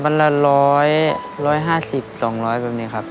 บรรละร้อยร้อยห้าสิบสองร้อยแบบนี้ครับ